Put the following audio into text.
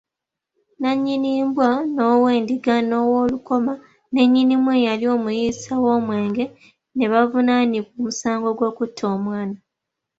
Nannyini mbwa, n'ow'endiga n'ow'olukoma ne nnyinimu eyali omuyiisa w'omwenge ne bavunaanibwa omusango gw'okutta omwana.